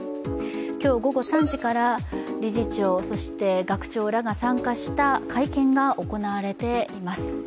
今日午後３時から理事長学長らが参加した会見が行われています。